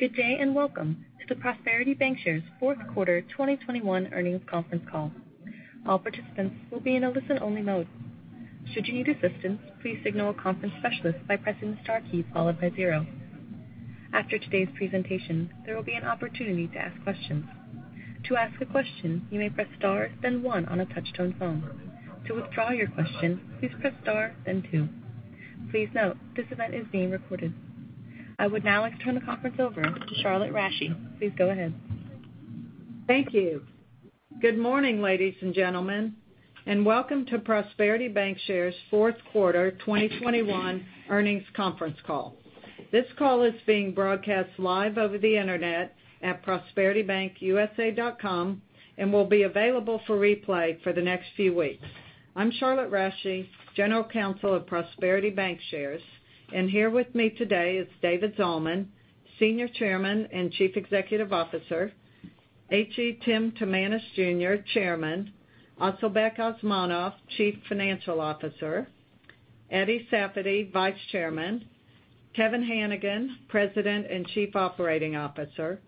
Good day, and welcome to the Prosperity Bancshares fourth quarter 2021 earnings conference call. All participants will be in a listen-only mode. Should you need assistance, please signal a conference specialist by pressing the Star key followed by zero. After today's presentation, there will be an opportunity to ask questions. To ask a question, you may press Star, then one on a touch-tone phone. To withdraw your question, please press Star, then two. Please note, this event is being recorded. I would now like to turn the conference over to Charlotte Rasche. Please go ahead. Thank you. Good morning, ladies and gentlemen, and welcome to Prosperity Bancshares fourth quarter 2021 earnings conference call. This call is being broadcast live over the Internet at prosperitybankusa.com and will be available for replay for the next few weeks. I'm Charlotte Rasche, General Counsel of Prosperity Bancshares. Here with me today is David Zalman, Senior Chairman and Chief Executive Officer, H.E. Tim Timanus, Jr., Chairman, Asylbek Osmonov, Chief Financial Officer, Eddie Safady, Vice Chairman, Kevin Hanigan, President and Chief Operating Officer,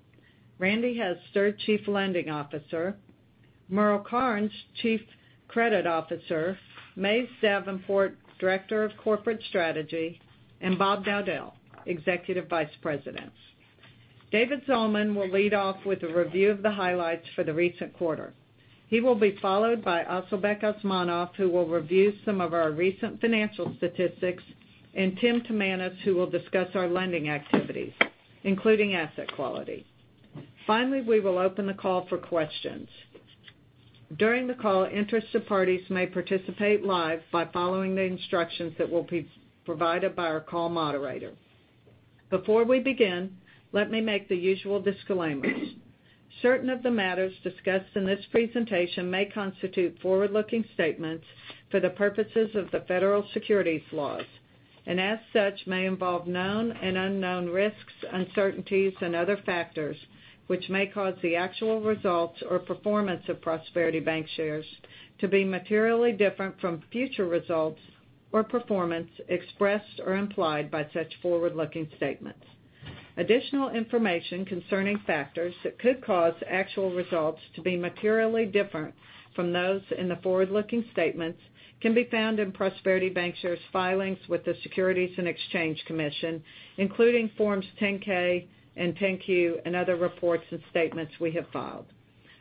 Randy Hester, Chief Lending Officer, Merle Karnes, Chief Credit Officer, Mays Davenport, Director of Corporate Strategy, and Bob Dowdell, Executive Vice President. David Zalman will lead off with a review of the highlights for the recent quarter. He will be followed by Asylbek Osmonov, who will review some of our recent financial statistics, and Tim Timanus, who will discuss our lending activities, including asset quality. Finally, we will open the call for questions. During the call, interested parties may participate live by following the instructions that will be provided by our call moderator. Before we begin, let me make the usual disclaimers. Certain of the matters discussed in this presentation may constitute forward-looking statements for the purposes of the federal securities laws, and as such, may involve known and unknown risks, uncertainties, and other factors which may cause the actual results or performance of Prosperity Bancshares to be materially different from future results or performance expressed or implied by such forward-looking statements. Additional information concerning factors that could cause actual results to be materially different from those in the forward-looking statements can be found in Prosperity Bancshares filings with the Securities and Exchange Commission, including Forms 10-K and 10-Q and other reports and statements we have filed.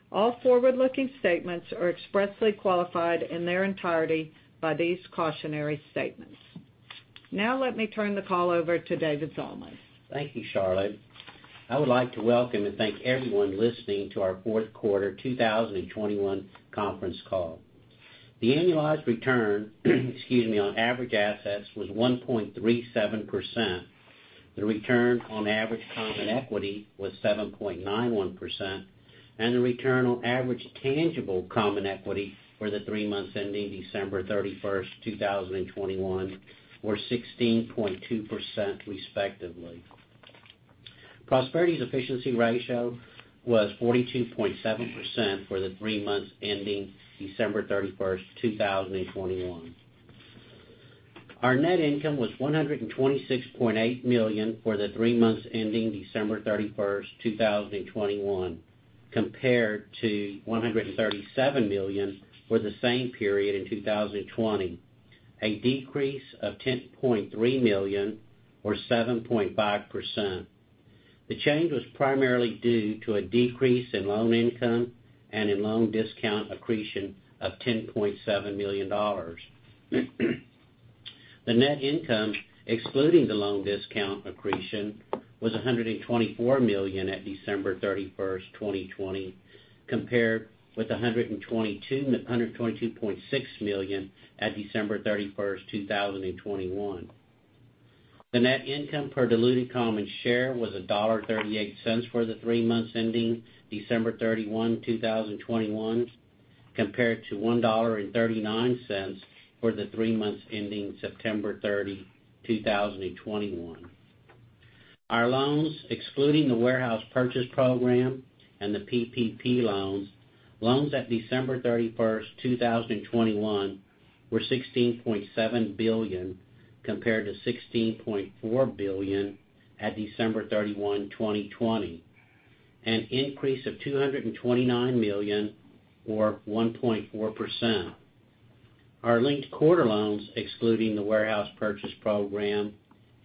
All forward-looking statements are expressly qualified in their entirety by these cautionary statements. Now let me turn the call over to David Zalman. Thank you, Charlotte. I would like to welcome and thank everyone listening to our fourth quarter 2021 conference call. The annualized return, excuse me, on average assets was 1.37%. The return on average common equity was 7.91%, and the return on average tangible common equity for the three months ending December 31st, 2021 were 16.2%, respectively. Prosperity's efficiency ratio was 42.7% for the three months ending December 31st, 2021. Our net income was $126.8 million for the three months ending December 31st, 2021, compared to $137 million for the same period in 2020, a decrease of $10.3 million or 7.5%. The change was primarily due to a decrease in loan income and in loan discount accretion of $10.7 million. The net income, excluding the loan discount accretion, was $124 million at December 31st, 2020, compared with $122.6 million at December 31st, 2021. The net income per diluted common share was $1.38 for the three months ending December 31, 2021, compared to $1.39 for the three months ending September 30, 2021. Our loans, excluding the Warehouse Purchase Program and the PPP loans, at December 31st, 2021 were $16.7 billion, compared to $16.4 billion at December 31, 2020, an increase of $229 million or 1.4%. Our linked quarter loans, excluding the Warehouse Purchase Program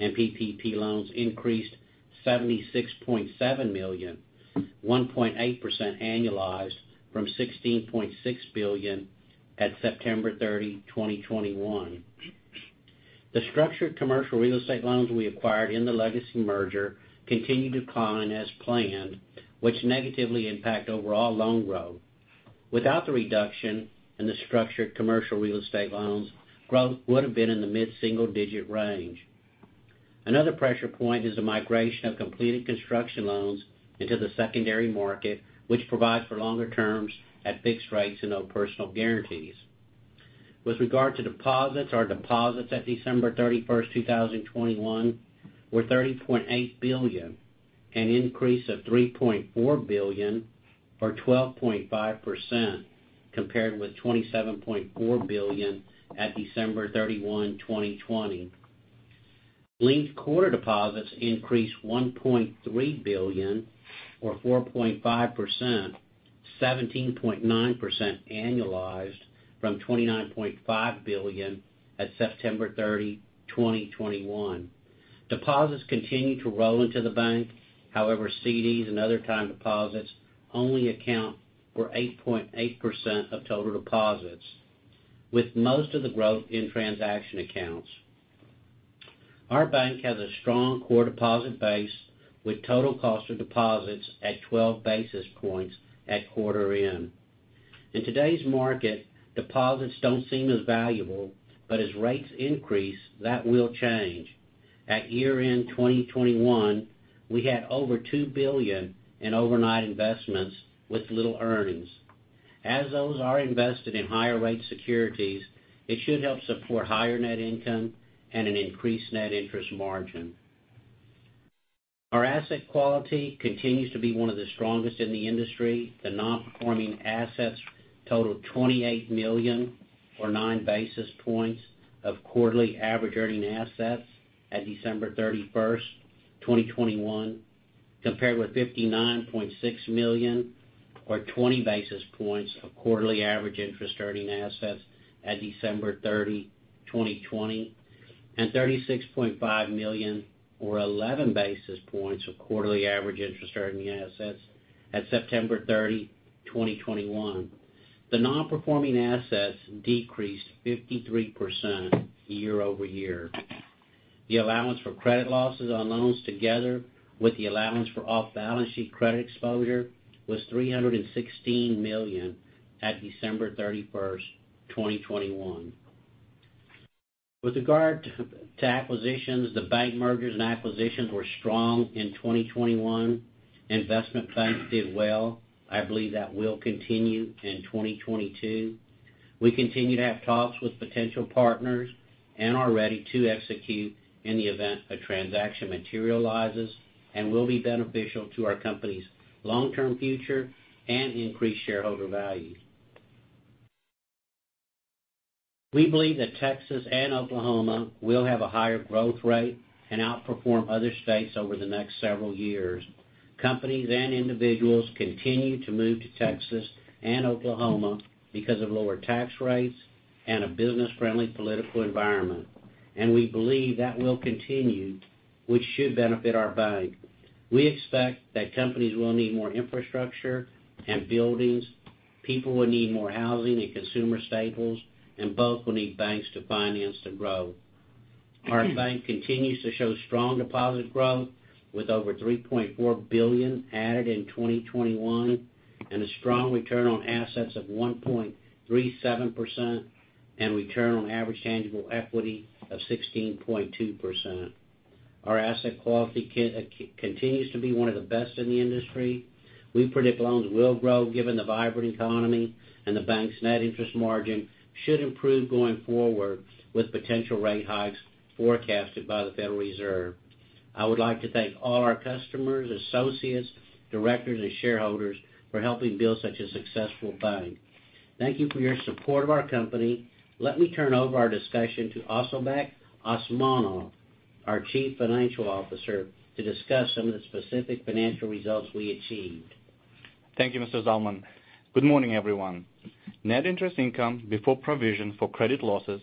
and PPP loans, increased $76.7 million, 1.8% annualized, from $16.6 billion at September 30, 2021. The structured commercial real estate loans we acquired in the Legacy merger continued to decline as planned, which negatively impact overall loan growth. Without the reduction in the structured commercial real estate loans, growth would have been in the mid-single-digit range. Another pressure point is the migration of completed construction loans into the secondary market, which provides for longer-terms at fixed rates and no personal guarantees. With regard to deposits, our deposits at December 31st, 2021 were $30.8 billion, an increase of $3.4 billion or 12.5% compared with $27.4 billion at December 31, 2020. Linked quarter deposits increased $1.3 billion or 4.5%, 17.9% annualized from $29.5 billion at September 30, 2021. Deposits continued to roll into the bank. However, CDs and other time deposits only account for 8.8% of total deposits, with most of the growth in transaction accounts. Our Bank has a strong core deposit base with total cost of deposits at 12 basis points at quarter end. In today's market, deposits don't seem as valuable, but as rates increase, that will change. At year-end 2021, we had over $2 billion in overnight investments with little earnings. As those are invested in higher rate securities, it should help support higher net interest income and an increased net interest margin. Our asset quality continues to be one of the strongest in the industry. The non-performing assets totaled $28 million or 9 basis points of quarterly average earning assets at December 31st, 2021, compared with $59.6 million or 20 basis points of quarterly average interest earning assets at December 30, 2020, and $36.5 million or 11 basis points of quarterly average interest earning assets at September 30, 2021. The non-performing assets decreased 53% year-over-year. The allowance for credit losses on loans together with the allowance for off-balance sheet credit exposure was $316 million at December 31st, 2021. With regard to acquisitions, the bank mergers and acquisitions were strong in 2021. Investment banks did well. I believe that will continue in 2022. We continue to have talks with potential partners and are ready to execute in the event a transaction materializes and will be beneficial to our company's long-term future and increase shareholder value. We believe that Texas and Oklahoma will have a higher growth rate and outperform other states over the next several years. Companies and individuals continue to move to Texas and Oklahoma because of lower tax rates and a business-friendly political environment. We believe that will continue, which should benefit our bank. We expect that companies will need more infrastructure and buildings, people will need more housing and consumer staples, and both will need banks to finance the growth. Our bank continues to show strong deposit growth with over $3.4 billion added in 2021 and a strong return on assets of 1.37% and return on average tangible equity of 16.2%. Our asset quality continues to be one of the best in the industry. We predict loans will grow given the vibrant economy, and the bank's net interest margin should improve going forward with potential rate hikes forecasted by the Federal Reserve. I would like to thank all our customers, Associates, Directors, and shareholders for helping build such a successful bank. Thank you for your support of our company. Let me turn over our discussion to Asylbek Osmonov, our Chief Financial Officer, to discuss some of the specific financial results we achieved. Thank you, Mr. Zalman. Good morning, everyone. Net interest income before provision for credit losses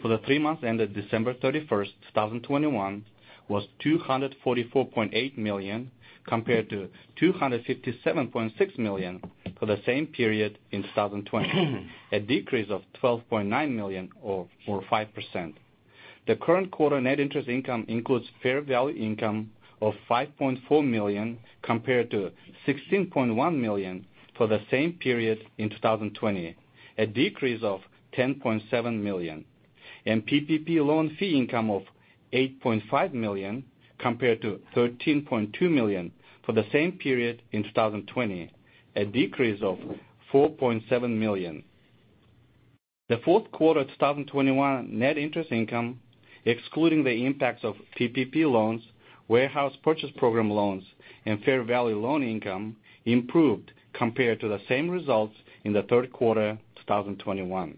for the three months ended December 31st, 2021 was $244.8 million, compared to $257.6 million for the same period in 2020, a decrease of $12.9 million or 5%. The current quarter net interest income includes fair value income of $5.4 million compared to $16.1 million for the same period in 2020, a decrease of $10.7 million. PPP loan fee income of $8.5 million compared to $13.2 million for the same period in 2020, a decrease of $4.7 million. The fourth quarter 2021 net interest income, excluding the impacts of PPP loans, Warehouse Purchase Program loans, and fair value loan income, improved compared to the same results in the third quarter 2021.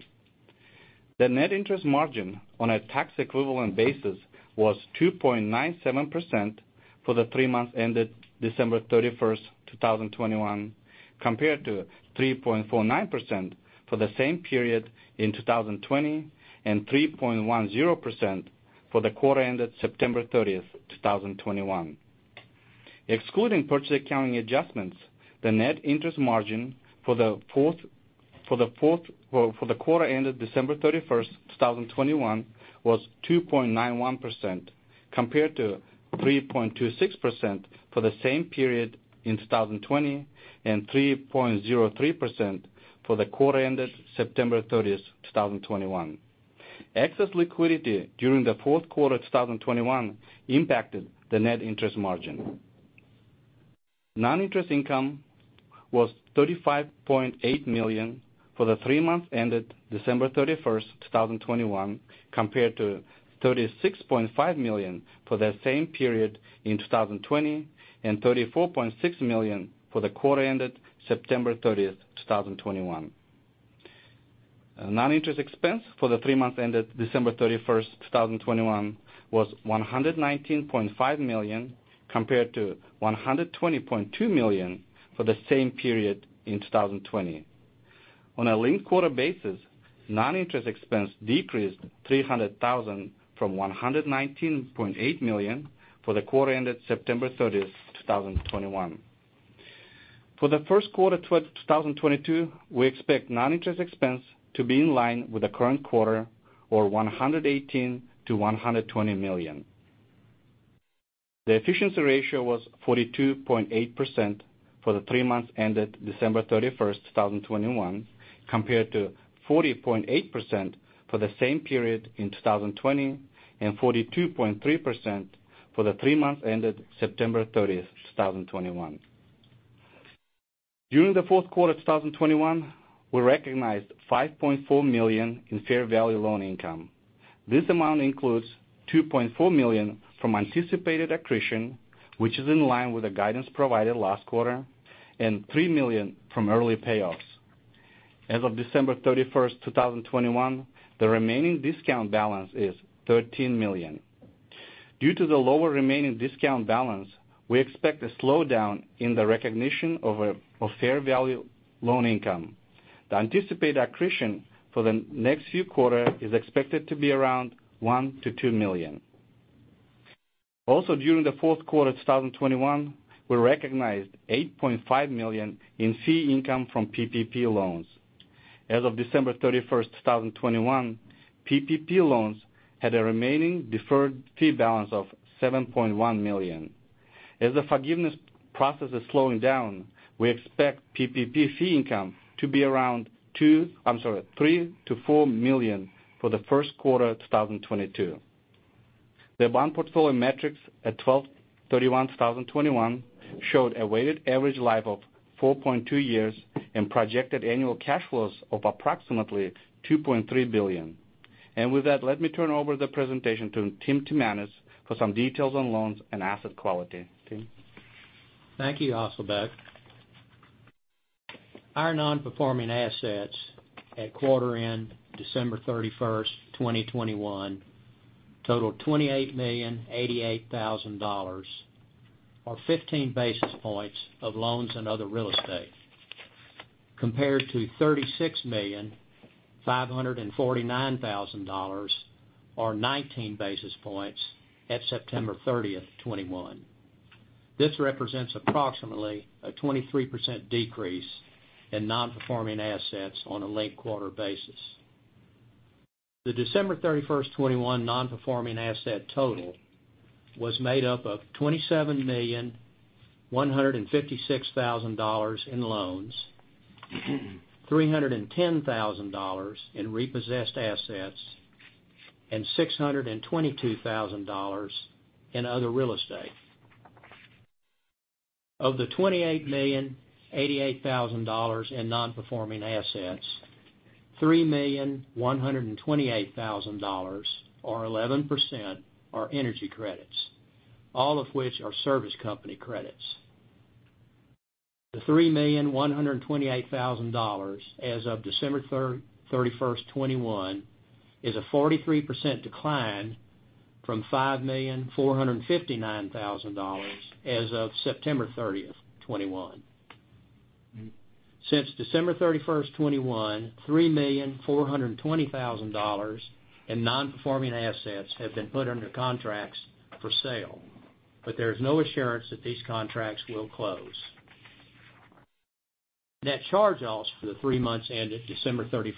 The net interest margin on a tax equivalent basis was 2.97% for the three months ended December 31st, 2021, compared to 3.49% for the same period in 2020 and 3.10% for the quarter ended September 30th, 2021. Excluding purchase accounting adjustments, the net interest margin for the fourth quarter ended December 31st, 2021 was 2.91% compared to 3.26% for the same period in 2020 and 3.03% for the quarter ended September 30th, 2021. Excess liquidity during the fourth quarter 2021 impacted the net interest margin. Non-interest income was $35.8 million for the three months ended December 31st, 2021, compared to $36.5 million for the same period in 2020, and $34.6 million for the quarter ended September 30th, 2021. Non-interest expense for the three months ended December 31st, 2021, was $119.5 million, compared to $120.2 million for the same period in 2020. On a linked quarter basis, non-interest expense decreased $300,000 from $119.8 million for the quarter-ended September 30th, 2021. For the first quarter 2022, we expect non-interest expense to be in line with the current quarter or $118 million-$120 million. The efficiency ratio was 42.8% for the three months ended December 31st, 2021, compared to 40.8% for the same period in 2020, and 42.3% for the three months ended September 30, 2021. During the fourth quarter 2021, we recognized $5.4 million in fair value loan income. This amount includes $2.4 million from anticipated accretion, which is in line with the guidance provided last quarter, and $3 million from early payoffs. As of December 31st, 2021, the remaining discount balance is $13 million. Due to the lower remaining discount balance, we expect a slowdown in the recognition of fair value loan income. The anticipated accretion for the next few quarter is expected to be around $1 million-$2 million. Also, during the fourth quarter 2021, we recognized $8.5 million in fee income from PPP loans. As of December 31, 2021, PPP loans had a remaining deferred fee balance of $7.1 million. As the forgiveness process is slowing down, we expect PPP fee income to be around $3 million-$4 million for the first quarter 2022. The bond portfolio metrics at 12/31/2021 showed a weighted average life of 4.2 years and projected annual cash flows of approximately $2.3 billion. With that, let me turn over the presentation to Tim Timanus for some details on loans and asset quality. Tim. Thank you, Asylbek Osmonov. Our non-performing assets at quarter-end December 31st, 2021, totaled $28,088,000, or 15 basis points of loans and other real estate, compared to $36,549,000, or 19 basis points at September 30th, 2021. This represents approximately a 23% decrease in non-performing assets on a linked-quarter basis. The December 31st, 2021 non-performing asset total was made up of $27,156,000 in loans, $310,000 in repossessed assets, and $622,000 in other real estate. Of the $28,088,000 in non-performing assets, $3,128,000 or 11%, are energy credits, all of which are service company credits. The $3,128,000 as of December 31st, 2021 is a 43% decline from $5,459,000 as of September 30, 2021. Since December 31st, 2021, $3,420,000 in non-performing assets have been put under contracts for sale, but there is no assurance that these contracts will close. Net charge-offs for the three months ended December 31st,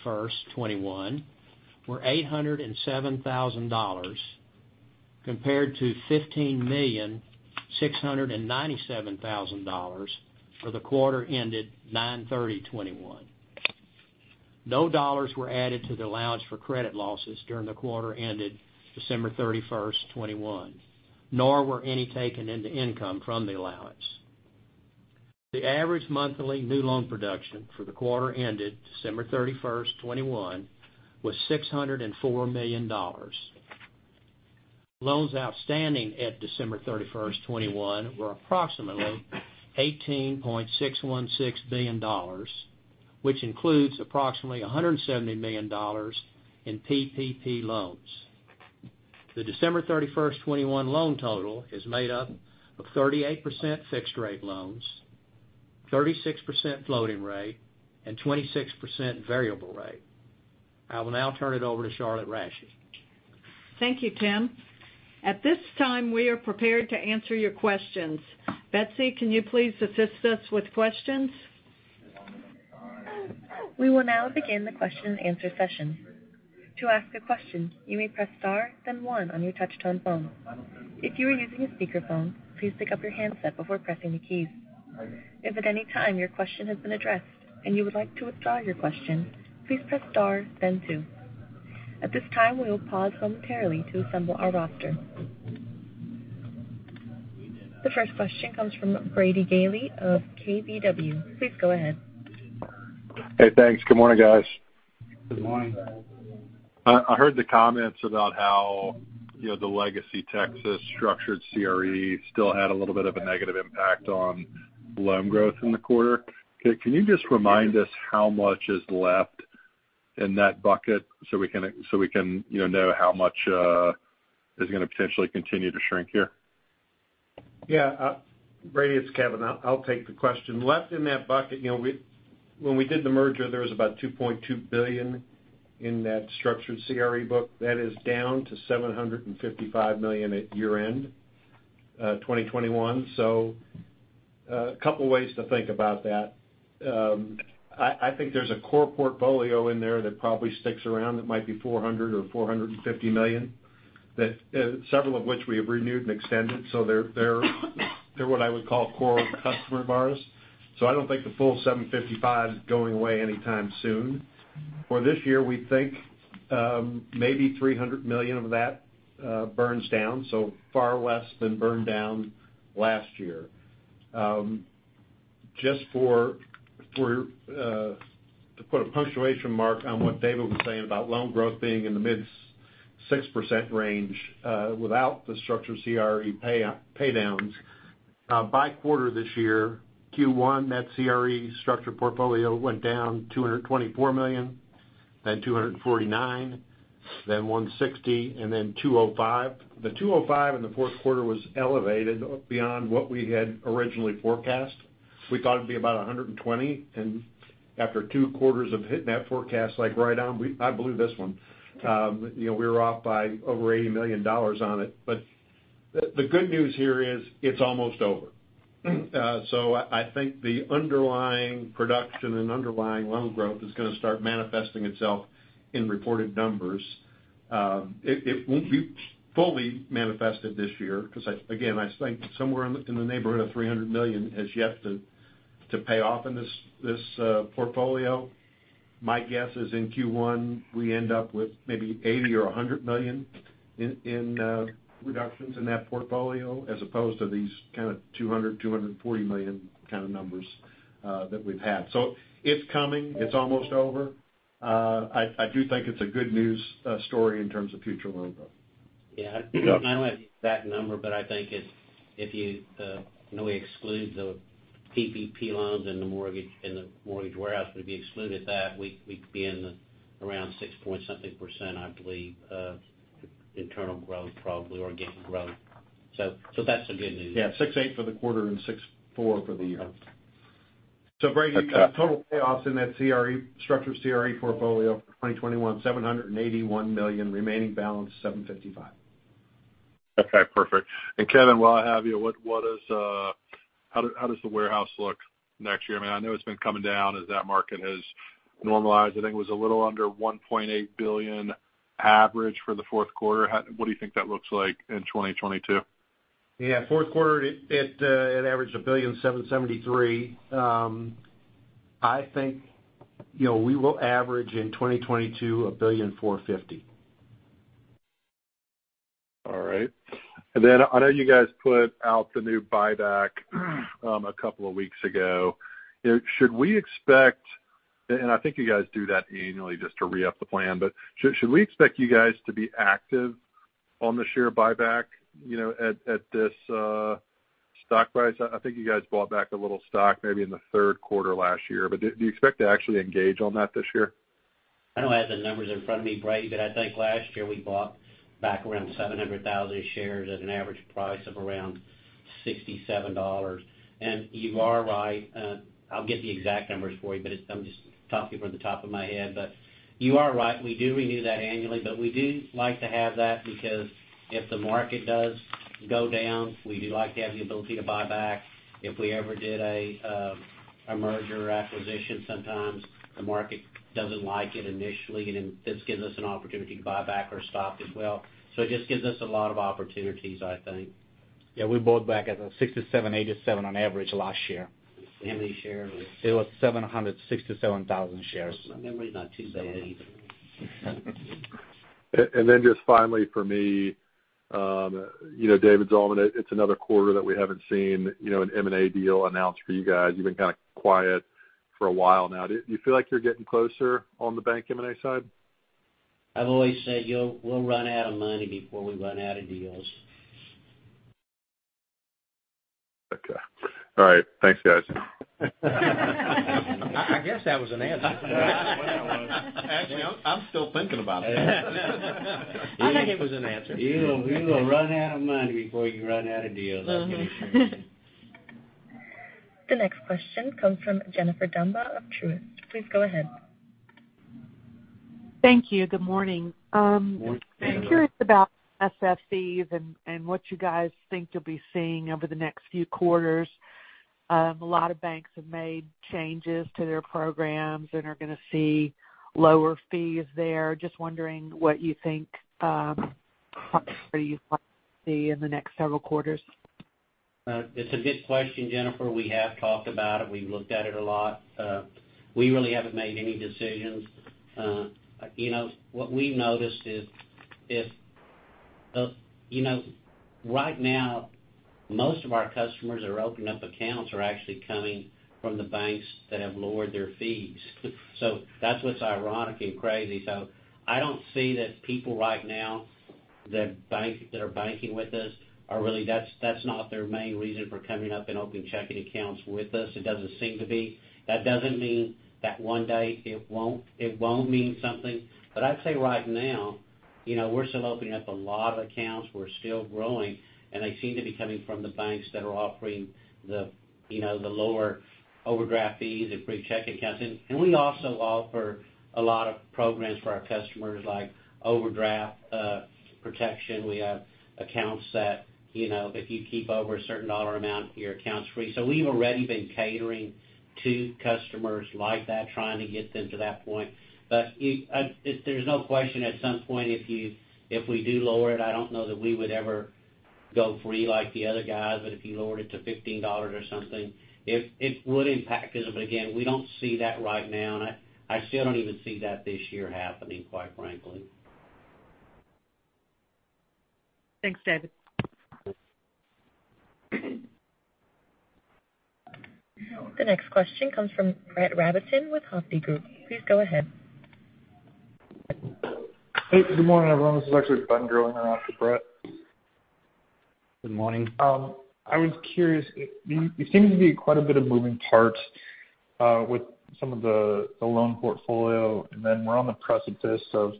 2021 were $807,000 compared to $15,697,000 for the quarter-ended 9/30/2021. No dollars were added to the allowance for credit losses during the quarter-ended December 31st, 2021, nor were any taken into income from the allowance. The average monthly new loan production for the quarter-ended December 31st, 2021 was $604 million. Loans outstanding at December 31st, 2021 were approximately $18.616 billion, which includes approximately $170 million in PPP loans. The December 31st, 2021 loan total is made up of 38% fixed rate loans, 36% floating rate, and 26% variable rate. I will now turn it over to Charlotte Rasche. Thank you, Tim. At this time, we are prepared to answer your questions. Betsy, can you please assist us with questions? We will now begin the question-and-answer session. To ask a question, you may press Star then one on your touch tone phone. If you are using a speakerphone, please pick up your handset before pressing the keys. If at any time your question has been addressed and you would like to withdraw your question, please press star then two. At this time, we will pause momentarily to assemble our roster. The first question comes from Brady Gailey of KBW. Please go ahead. Hey, thanks. Good morning, guys. Good morning. I heard the comments about how, you know, the LegacyTexas structured CRE still had a little bit of a negative impact on loan growth in the quarter. Can you just remind us how much is left in that bucket so we can, you know how much is gonna potentially continue to shrink here? Yeah, Brady, it's Kevin. I'll take the question. Left in that bucket, you know, when we did the merger, there was about $2.2 billion in that structured CRE book. That is down to $755 million at year-end 2021. A couple ways to think about that. I think there's a core portfolio in there that probably sticks around, that might be $400 million or $450 million, several of which we have renewed and extended. They're what I would call core customer borrowers. I don't think the full $755 million is going away anytime soon. For this year, we think maybe $300 million of that burns down, so far less than burned down last year. Just for to put a punctuation mark on what David was saying about loan growth being in the mid-6% range, without the structured CRE paydowns. By quarter this year, Q1, that CRE structured portfolio went down $224 million, then $249 million, then $160 million, and then $205 million. The $205 million in the fourth quarter was elevated beyond what we had originally forecast. We thought it'd be about $120 million. After two quarters of hitting that forecast, like right on, I blew this one. You know, we were off by over $80 million on it. The good news here is it's almost over. I think the underlying production and underlying loan growth is gonna start manifesting itself in reported numbers. It won't be fully manifested this year, because again I think somewhere in the neighborhood of $300 million has yet to pay off in this portfolio. My guess is in Q1, we end up with maybe $80 million or $100 million in reductions in that portfolio as opposed to these kind of $200 million, $240 million kind of numbers that we've had. It's coming. It's almost over. I do think it's a good news story in terms of future loan growth. Yeah. I don't have that number, but I think it's, if you know, exclude the PPP loans and the mortgage, and the mortgage warehouse would be excluded, that we could be around 6% point something, I believe, internal growth probably or organic growth. That's the good news. Yeah, 6.8% for the quarter and 6.4% for the year. Okay. Brady, total payoffs in that CRE, structured CRE portfolio for 2021, $781 million. Remaining balance, $755 million. Okay, perfect. Kevin, while I have you, how does the warehouse look next year? I mean, I know it's been coming down as that market has normalized. I think it was a little under $1.8 billion average for the fourth quarter. What do you think that looks like in 2022? Fourth quarter, it averaged $1.773 billion. I think, you know, we will average in 2022, $1.45 billion. All right. I know you guys put out the new buyback a couple of weeks ago. You know, should we expect. I think you guys do that annually just to re-up the plan. Should we expect you guys to be active on the share buyback, you know, at this stock price? I think you guys bought back a little stock maybe in the third quarter last year. Do you expect to actually engage on that this year? I don't have the numbers in front of me, Brady, but I think last year we bought back around 700,000 shares at an average price of around $67. You are right, I'll get the exact numbers for you. I'm just talking from the top of my head. You are right, we do renew that annually. We do like to have that because if the market does go down, we do like to have the ability to buy back. If we ever did a merger or acquisition, sometimes the market doesn't like it initially, and then this gives us an opportunity to buy back our stock as well. It just gives us a lot of opportunities, I think. Yeah, we bought back at a $67.87 on average last year. How many shares was? It was 767,000 shares. My memory's not too bad either. Just finally for me, you know, David Zalman, it's another quarter that we haven't seen, you know, an M&A deal announced for you guys. You've been kind of quiet for a while now. Do you feel like you're getting closer on the bank M&A side? I've always said we'll run out of money before we run out of deals. Okay. All right. Thanks, guys. I guess that was an answer. That was. Actually, I'm still thinking about it. I think it was an answer. You will run out of money before you run out of deals, I can assure you. The next question comes from Jennifer Demba of Truist. Please go ahead. Thank you. Good morning. Good morning. I'm curious about NSF fees and what you guys think you'll be seeing over the next few quarters. A lot of banks have made changes to their programs and are gonna see lower fees there. Just wondering what you think, see in the next several quarters. It's a good question, Jennifer. We have talked about it. We've looked at it a lot. We really haven't made any decisions. You know, what we noticed is if, you know, right now, most of our customers are opening up accounts are actually coming from the banks that have lowered their fees. So that's what's ironic and crazy. So I don't see that people right now that are banking with us are really. That's not their main reason for coming up and opening checking accounts with us. It doesn't seem to be. That doesn't mean that one day it won't mean something. I'd say right now, you know, we're still opening up a lot of accounts, we're still growing, and they seem to be coming from the banks that are offering the, you know, the lower overdraft fees and free checking accounts. We also offer a lot of programs for our customers like overdraft protection. We have accounts that, you know, if you keep over a certain dollar amount, your account's free. We've already been catering to customers like that, trying to get them to that point. There's no question, at some point, if we do lower it, I don't know that we would ever go free like the other guys. If you lowered it to $15 or something, it would impact us. Again, we don't see that right now. I still don't even see that this year happening, quite frankly. Thanks, David. The next question comes from Brett Rabatin with Hovde Group. Please go ahead. Hey, good morning, everyone. This is actually Ben Gerlinger in for Brett. Good morning. I was curious. There seems to be quite a bit of moving parts with some of the loan portfolio, and then we're on the precipice of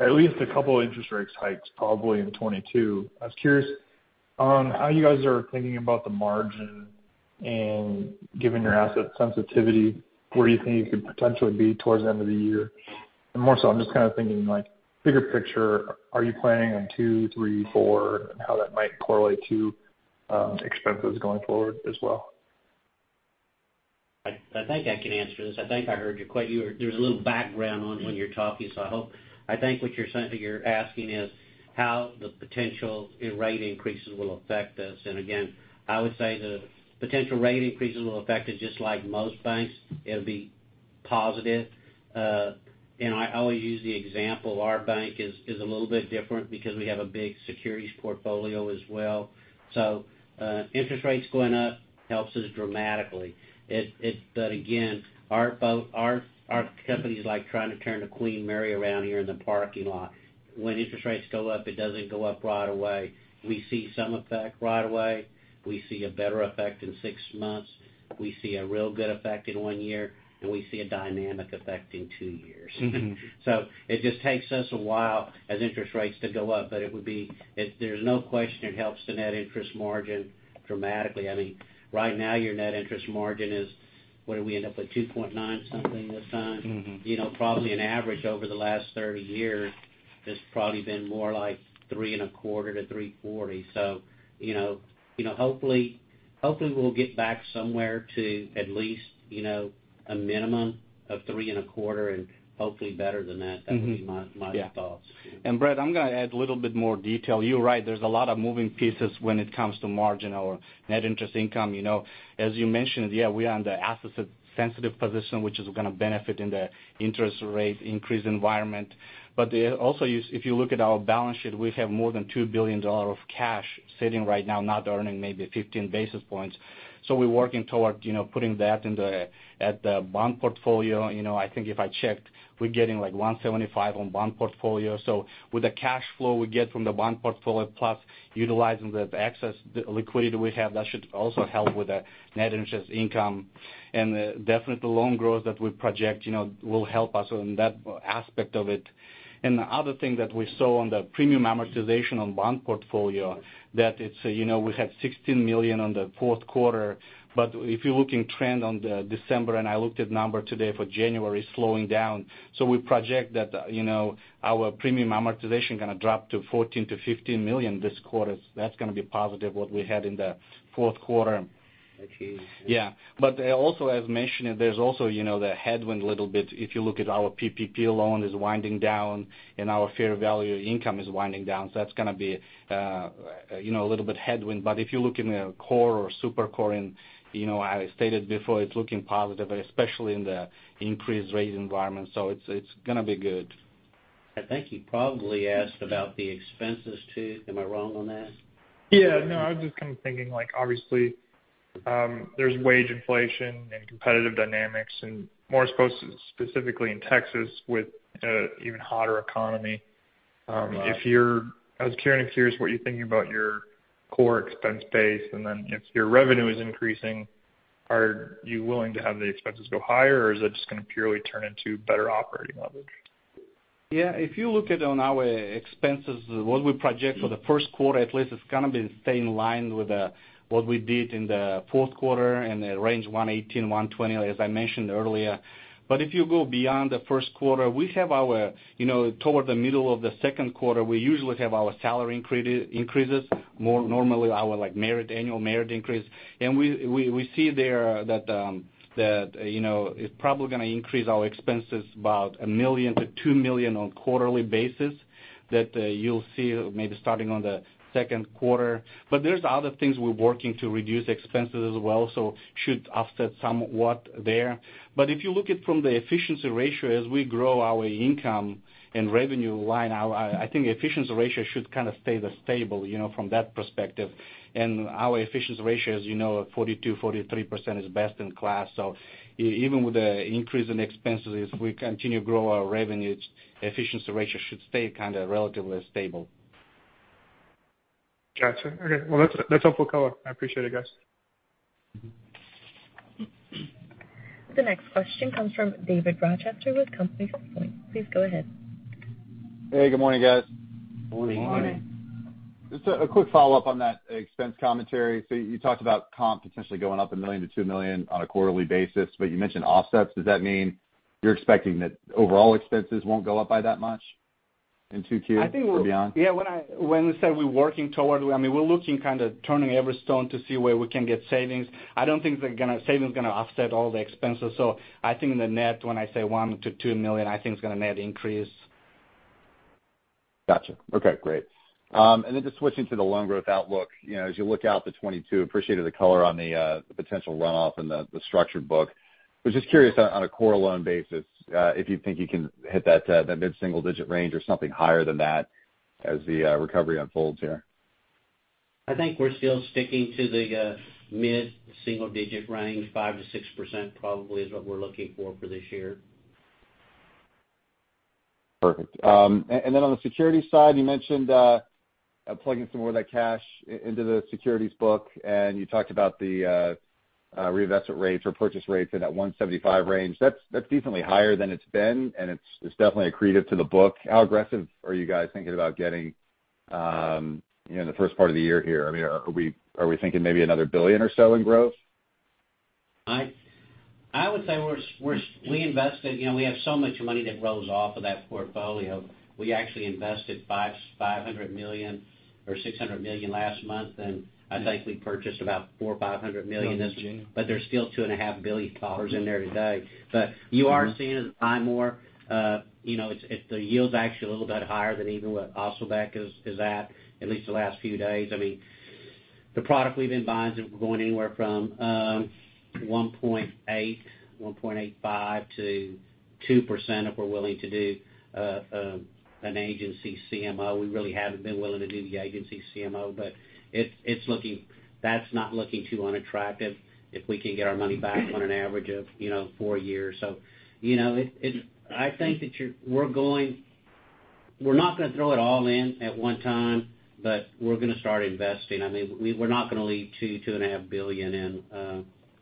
at least a couple interest rate hikes probably in 2022. I was curious on how you guys are thinking about the margin and given your asset sensitivity, where you think you could potentially be towards the end of the year. More so I'm just kind of thinking like bigger picture, are you planning on 2, 3, 4, and how that might correlate to expenses going forward as well? I think I can answer this. I think I heard you. There was a little background noise when you were talking, so I hope. I think what you're saying, you're asking, is how the potential rate increases will affect us. Again, I would say the potential rate increases will affect us just like most banks. It'll be positive. I always use the example, our bank is a little bit different because we have a big securities portfolio as well. Interest rates going up helps us dramatically. Our company is like trying to turn the Queen Mary around here in the parking lot. When interest rates go up, it doesn't go up right away. We see some effect right away. We see a better effect in six months. We see a real good effect in one year, and we see a dynamic effect in two years. Mm-hmm. It just takes us a while as interest rates go up. There's no question it helps the net interest margin dramatically. I mean, right now, your net interest margin is, what do we end up with, 2.9% something this time? You know, probably an average over the last 30 years, it's probably been more like 3.25%-3.40%. You know, hopefully we'll get back somewhere to at least, you know, a minimum of 3.25% and hopefully better than that. Yeah. That would be my thoughts. Brett, I'm gonna add a little bit more detail. You're right, there's a lot of moving pieces when it comes to margin or net interest income. You know, as you mentioned, yeah, we are on the asset sensitive position, which is gonna benefit in the interest rate increase environment. But also, if you look at our balance sheet, we have more than $2 billion of cash sitting right now, not earning maybe 15 basis points. So we're working towards, you know, putting that into the bond portfolio. You know, I think if I checked, we're getting like 175 on bond portfolio. So with the cash flow we get from the bond portfolio plus utilizing the excess liquidity we have, that should also help with the net interest income. Definitely loan growth that we project, you know, will help us on that aspect of it. The other thing that we saw on the premium amortization on bond portfolio, that it's, you know, we had $16 million on the fourth quarter. If you're looking trend on the December, and I looked at number today for January, slowing down. We project that, you know, our premium amortization gonna drop to $14 million-$15 million this quarter. That's gonna be positive what we had in the fourth quarter. Actually, yeah. Yeah. Also, as mentioned, there's also, you know, the headwind a little bit. If you look at our PPP loan is winding down and our fair value income is winding down. That's gonna be, you know, a little bit headwind. If you look in the core or super core and, you know, as I stated before, it's looking positive, especially in the increased rate environment. It's gonna be good. I think he probably asked about the expenses too. Am I wrong on that? Yeah, no, I was just kind of thinking like, obviously, there's wage inflation and competitive dynamics and more so specifically in Texas with even hotter economy. I was kind of curious what you're thinking about your core expense base, and then if your revenue is increasing, are you willing to have the expenses go higher, or is it just gonna purely turn into better operating leverage? Yeah, if you look at our expenses, what we project for the first quarter at least, it's gonna be staying in line with what we did in the fourth quarter in the range $118 million-$120 million, as I mentioned earlier. If you go beyond the first quarter, we have our, you know, toward the middle of the second quarter, we usually have our salary increases, more normally our like merit, annual merit increase. We see there that, you know, it's probably gonna increase our expenses about $1 million-$2 million on quarterly basis that you'll see maybe starting on the second quarter. There's other things we're working to reduce expenses as well, so should offset somewhat there. If you look at from the efficiency ratio, as we grow our income and revenue line, I think efficiency ratio should kind of stay stable, you know, from that perspective. Our efficiency ratio, as you know, 42%-43% is best in class. Even with the increase in expenses, as we continue to grow our revenues, efficiency ratio should stay kind of relatively stable. Gotcha. Okay. Well, that's helpful color. I appreciate it, guys. The next question comes from David Rochester with Compass Point. Please go ahead. Hey, Good morning, guys. Good morning. Just a quick follow-up on that expense commentary. You talked about comp potentially going up $1 million-$2 million on a quarterly basis, but you mentioned offsets. Does that mean you're expecting that overall expenses won't go up by that much in 2Q or beyond? I think, yeah, when we said we're working toward, I mean, we're looking kinda turning every stone to see where we can get savings. I don't think savings gonna offset all the expenses. I think in the net, when I say $1 million-$2 million, I think it's gonna net increase. Gotcha. Okay, great. Just switching to the loan growth outlook, you know, as you look out to 2022, appreciated the color on the potential runoff in the structured book. Was just curious on a core loan basis, if you think you can hit that mid-single-digit range or something higher than that as the recovery unfolds here. I think we're still sticking to the mid-single-digit range, 5%-6% probably is what we're looking for this year. Perfect. And then on the securities side, you mentioned plugging some more of that cash into the securities book, and you talked about the reinvestment rates or purchase rates in that 175 range. That's decently higher than it's been, and it's definitely accretive to the book. How aggressive are you guys thinking about getting, you know, in the first part of the year here? I mean, are we thinking maybe another $1 billion or so in growth? You know, we have so much money that rolls off of that portfolio. We actually invested $500 million or $600 million last month, and I think we purchased about $400 million or $500 million. In January. There's still two and a half billion dollars in there today. You are seeing us buy more. You know, it's actually a little bit higher than even what Asylbek Osmonov is at least the last few days. I mean, the product we've been buying is going anywhere from 1.8%, 1.85%-2% if we're willing to do an agency CMO. We really haven't been willing to do the agency CMO. It's looking. That's not looking too unattractive if we can get our money back on an average of four years. You know, I think we're not gonna throw it all in at one time, but we're gonna start investing. I mean, we're not gonna leave $2.5 billion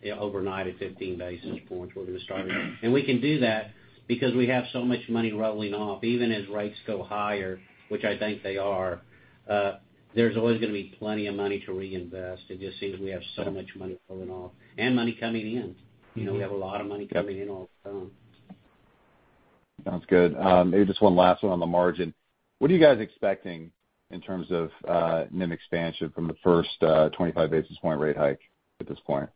in overnight at 15 basis points. We're gonna start. We can do that because we have so much money rolling off. Even as rates go higher, which I think they are, there's always gonna be plenty of money to reinvest. It just seems we have so much money flowing off and money coming in. You know, we have a lot of money coming in all the time. Sounds good. Maybe just one last one on the margin. What are you guys expecting in terms of NIM expansion from the first 25 basis point rate hike at this point?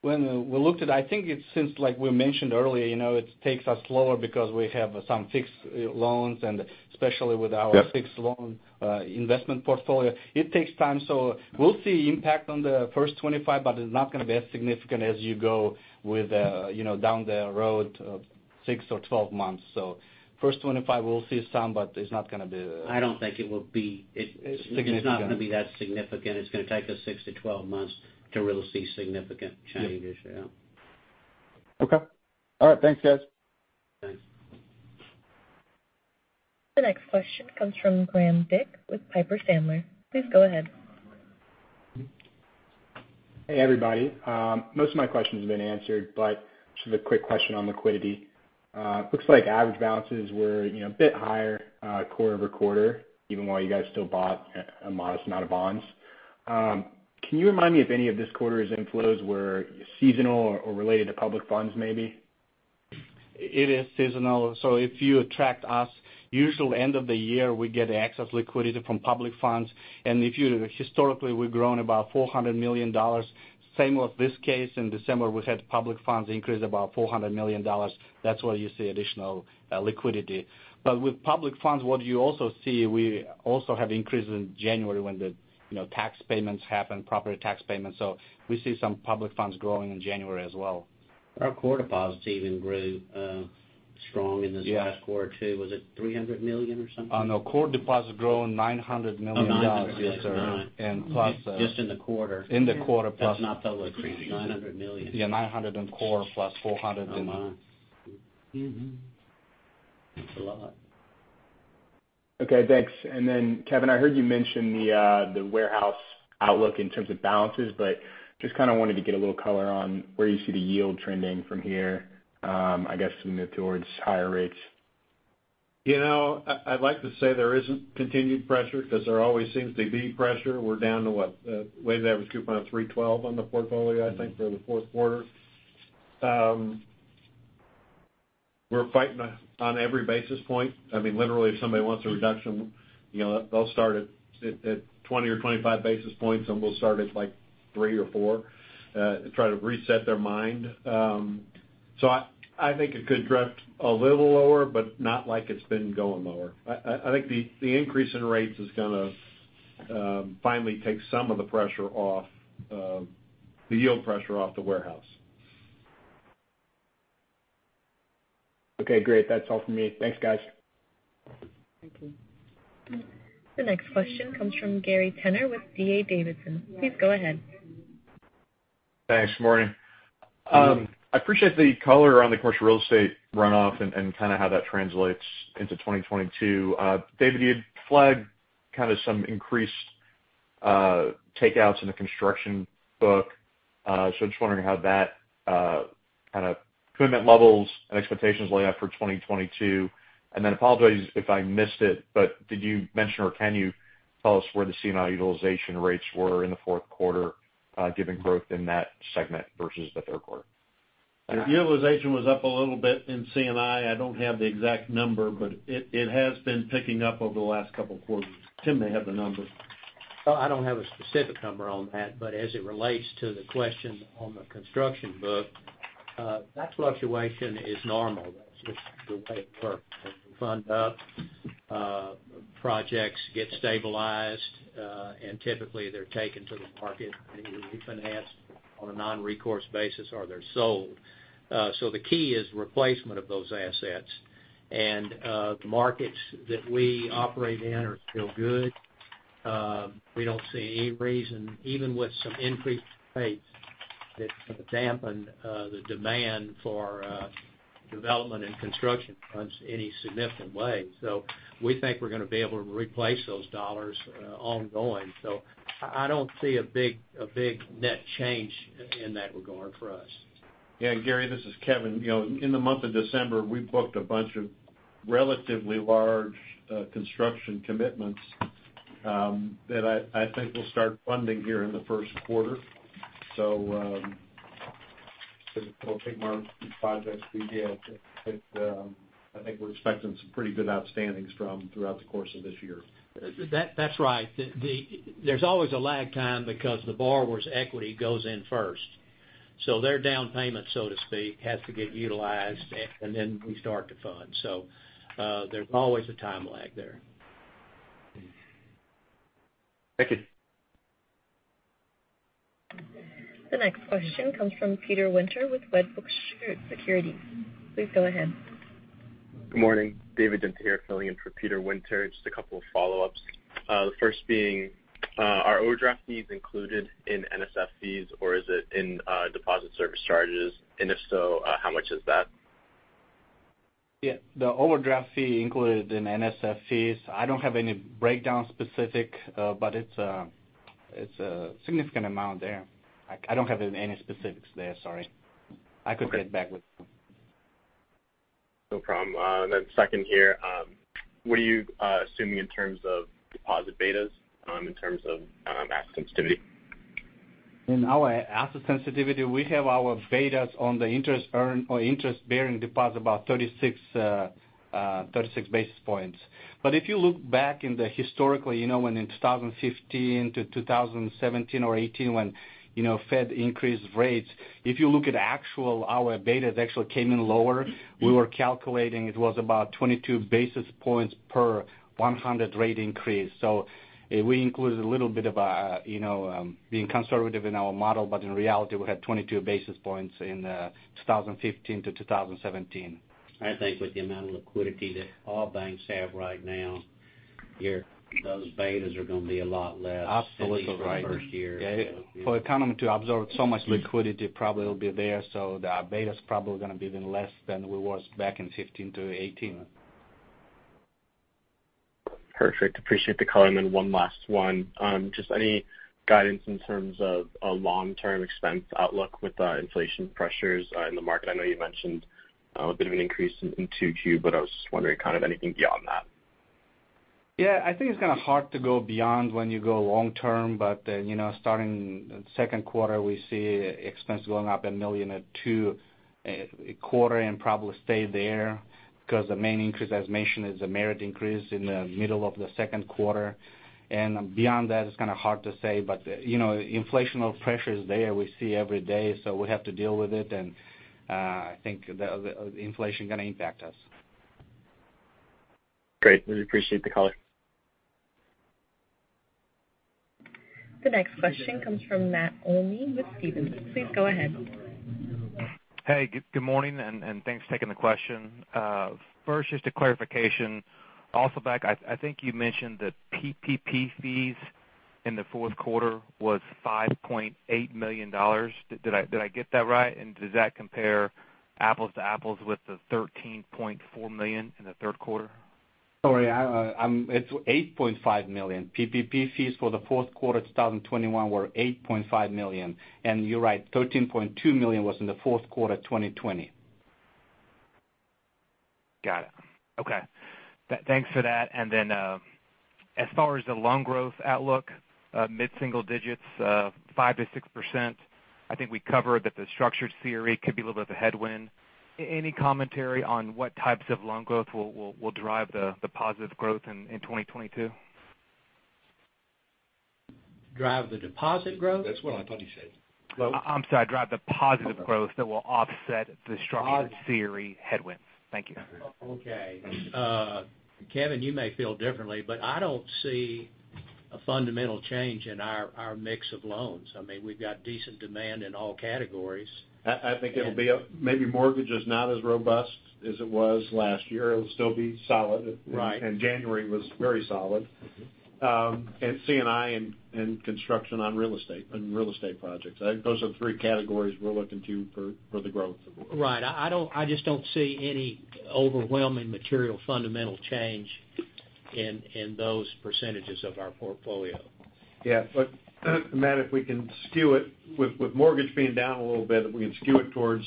When we looked at, I think it seems like we mentioned earlier, you know, it takes us slower because we have some fixed loans and especially with our. Yeah. Fixed loan investment portfolio. It takes time, so we'll see impact on the first 25, but it's not gonna be as significant as you go with, you know, down the road, six or 12 months. First 25, we'll see some, but it's not gonna be, I don't think it will be. Significant. It's not gonna be that significant. It's gonna take us 6-12 months to really see significant changes. Yeah. Okay. All right. Thanks, guys. Thanks. The next question comes from Graham Dick with Piper Sandler. Please go ahead. Hey, everybody. Most of my questions have been answered, but just a quick question on liquidity. Looks like average balances were, you know, a bit higher quarter-over-quarter, even while you guys still bought a modest amount of bonds. Can you remind me if any of this quarter's inflows were seasonal or related to public funds maybe? It is seasonal. If you look at us, usually end of the year, we get excess liquidity from public funds. Historically, we've grown about $400 million. Same with this case. In December, we had public funds increase about $400 million. That's why you see additional liquidity. With public funds, what you also see, we also have increase in January when the, you know, tax payments happen, property tax payments. We see some public funds growing in January as well. Our core deposits even grew strong in this Yeah. Last quarter too. Was it $300 million or something? No. Core deposits grew $900 million. 900. Yes, sir. Plus, Just in the quarter. In the quarter. That's not public. $900 million. Yeah, $900 in core +$400 in- Oh, my. That's a lot. Okay. Thanks. Kevin, I heard you mention the warehouse outlook in terms of balances, but just kinda wanted to get a little color on where you see the yield trending from here, I guess as we move towards higher rates. You know, I'd like to say there isn't continued pressure 'cause there always seems to be pressure. We're down to, what? A weighted average coupon of 3.12 on the portfolio, I think, for the fourth quarter. We're fighting on every basis point. I mean, literally, if somebody wants a reduction, you know, they'll start at 20 or 25 basis points, and we'll start at, like, three or four to try to reset their mind. I think it could drift a little lower, but not like it's been going lower. I think the increase in rates is gonna finally take some of the pressure off the yield pressure off the warehouse. Okay. Great. That's all for me. Thanks, guys. Thank you. The next question comes from Gary Tenner with D.A. Davidson. Please go ahead. Thanks. Morning. I appreciate the color on the commercial real estate runoff and kind of how that translates into 2022. David, you had flagged kind of some increased takeouts in the construction book. So I'm just wondering how that kind of commitment levels and expectations lay out for 2022. Then apologies if I missed it, but did you mention or can you tell us where the C&I utilization rates were in the fourth quarter, given growth in that segment versus the third quarter? Utilization was up a little bit in C&I. I don't have the exact number, but it has been picking up over the last couple of quarters. Tim may have the numbers. Well, I don't have a specific number on that, but as it relates to the question on the construction book, that fluctuation is normal. That's just the way it works. They fund up, projects get stabilized, and typically they're taken to the market and refinanced on a non-recourse basis or they're sold. The key is replacement of those assets. The markets that we operate in are still good. We don't see any reason, even with some increased rates, that dampen the demand for development and construction funds any significant way. We think we're going to be able to replace those dollars ongoing. I don't see a big net change in that regard for us. Yeah, Gary, this is Kevin. You know, in the month of December, we booked a bunch of relatively large, construction commitments, that I think we'll start funding here in the first quarter. It'll take more projects we get, but, I think we're expecting some pretty good outstandings from throughout the course of this year. That's right. There's always a lag time because the borrower's equity goes in first. Their down payment, so to speak, has to get utilized and then we start to fund. There's always a time lag there. Thank you. The next question comes from Peter Winter with Wedbush Securities. Please go ahead. Good morning, David Dent here filling in for Peter Winter. Just a couple of follow-ups. The first being, are overdraft fees included in NSF fees or is it in deposit service charges? If so, how much is that? Yeah, the overdraft fee included in NSF fees, I don't have any breakdown specific, but it's a significant amount there. I don't have any specifics there, sorry. Okay. I could get back with you. No problem. Second here, what are you assuming in terms of deposit betas, in terms of asset sensitivity? In our asset sensitivity, we have our betas on the interest earned or interest-bearing deposit about 36 basis points. If you look back in history, you know, when in 2015-2017 or 2018 when, you know, Fed increased rates, if you look at actual, our betas actually came in lower. We were calculating it was about 22 basis points per 100 rate increase. We included a little bit of, you know, being conservative in our model, but in reality, we had 22 basis points in 2015-2017. I think with the amount of liquidity that all banks have right now, those betas are going to be a lot less. Absolutely right. at least for the first year. Yeah. For the economy to absorb so much liquidity, probably it'll be there, so the beta's probably gonna be even less than we was back in 2015-2018. Perfect. Appreciate the color. One last one. Just any guidance in terms of a long-term expense outlook with inflation pressures in the market? I know you mentioned a bit of an increase in 2Q, but I was just wondering kind of anything beyond that. Yeah, I think it's kind of hard to go beyond when you go long-term. You know, starting second quarter, we see expense going up $1 million or $2 million a quarter and probably stay there because the main increase, as mentioned, is a merit increase in the middle of the second quarter. Beyond that, it's kind of hard to say, but you know, inflation pressure is there, we see every day, so we have to deal with it. I think the inflation is gonna impact us. Great. Really appreciate the color. The next question comes from Matt Olney with Stephens. Please go ahead. Hey, good morning, and thanks for taking the question. First, just a clarification. I think you mentioned the PPP fees in the fourth quarter was $5.8 million. Did I get that right? And does that compare apples to apples with the $13.4 million in the third quarter? Sorry, it's $8.5 million. PPP fees for the fourth quarter 2021 were $8.5 million. You're right, $13.2 million was in the fourth quarter of 2020. Got it. Okay. Thanks for that. As far as the loan growth outlook, mid-single-digits, 5%-6%, I think we covered that the structured CRE could be a little bit of a headwind. Any commentary on what types of loan growth will drive the positive growth in 2022? Drive the deposit growth? That's what I thought he said. I'm sorry, drive the positive growth that will offset the structured CRE headwinds. Thank you. Okay. Kevin, you may feel differently, but I don't see A fundamental change in our mix of loans. I mean, we've got decent demand in all categories. I think maybe mortgage is not as robust as it was last year. It'll still be solid. Right. January was very solid. C&I and construction on real estate and real estate projects. I think those are the three categories we're looking to for the growth. Right. I don't see any overwhelming material fundamental change in those percentages of our portfolio. Yeah. Matt, if we can skew it with mortgage being down a little bit, if we can skew it towards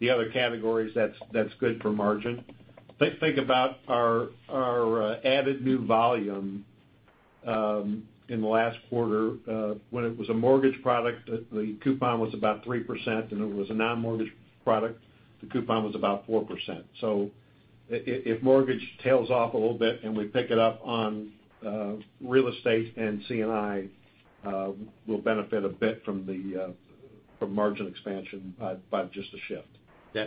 the other categories, that's good for margin. Think about our added new volume in the last quarter, when it was a mortgage product, the coupon was about 3%, and it was a non-mortgage product, the coupon was about 4%. If mortgage tails off a little bit and we pick it up on real estate and C&I, we'll benefit a bit from the margin expansion by just a shift.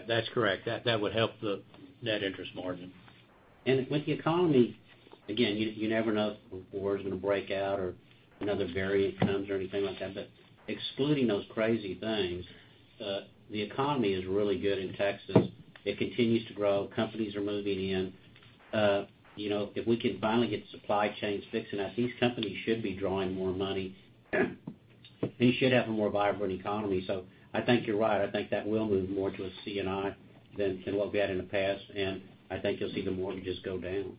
That's correct. That would help the net interest margin. With the economy, again, you never know where it's gonna break out or another variant comes or anything like that, but excluding those crazy things, the economy is really good in Texas. It continues to grow. Companies are moving in. You know, if we can finally get supply chains fixed, and I think companies should be drawing more money, we should have a more vibrant economy. I think you're right. I think that will move more to a C&I than what we had in the past, and I think you'll see the mortgages go down.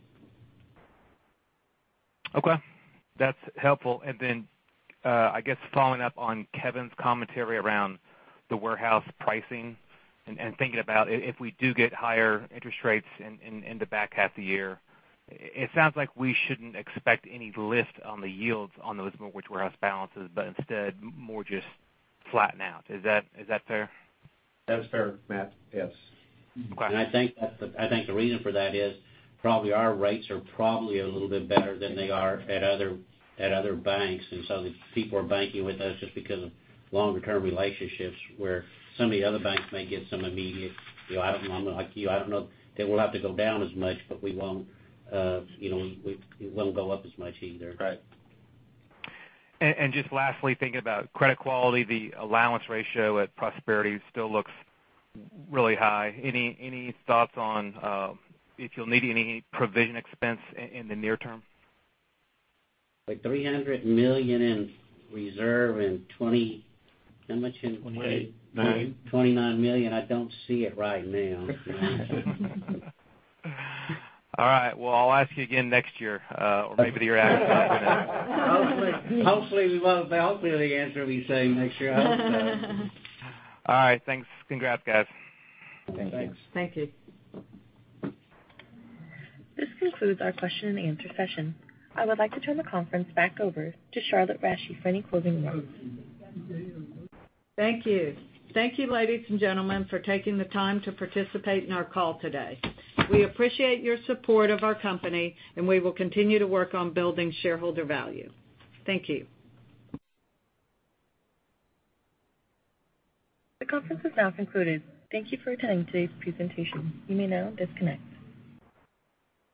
Okay, that's helpful. I guess following up on Kevin's commentary around the warehouse pricing and thinking about if we do get higher interest rates in the back half of the year, it sounds like we shouldn't expect any lift on the yields on those mortgage warehouse balances, but instead more just flatten out. Is that fair? That's fair, Matt. Yes. Okay. I think the reason for that is probably our rates are probably a little bit better than they are at other banks, and so the people are banking with us just because of longer term relationships, where some of the other banks may get some immediate, you know, I don't know, I'm like you, I don't know. They will have to go down as much, but we won't, you know, we won't go up as much either. Right. Just lastly, thinking about credit quality, the allowance ratio at Prosperity still looks really high. Any thoughts on if you'll need any provision expense in the near-term? With $300 million in reserve and 20. How much in- $29 million. $29 million, I don't see it right now. All right. Well, I'll ask you again next year, or maybe you're out. Hopefully, we will. Hopefully, the answer we'll see next year. All right, thanks. Congrats, guys. Thanks. Thank you. This concludes our question and answer session. I would like to turn the conference back over to Charlotte Rasche for any closing remarks. Thank you. Thank you, ladies and gentlemen, for taking the time to participate in our call today. We appreciate your support of our company, and we will continue to work on building shareholder value. Thank you. The conference is now concluded. Thank you for attending today's presentation. You may now disconnect.